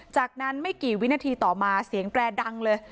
จากนั้นไม่กี่วินาทีต่อมาเสียงแตรดังเลย